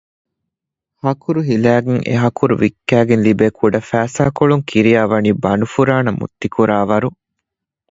ހަކުރު ހިލައިގެން އެހަކުރު ވިއްކައިގެން ލިބޭ ކުޑަ ފައިސާކޮޅުން ކިރިޔާވަނީ ބަނޑުފުރާނަ މުއްތިކުރާވަރު